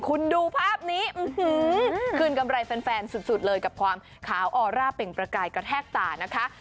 คุณดูภาพนี้คืนกำไรแฟนสุดเลยกับความขาวออร่าเปล่งประกายกระแทกตานะคะ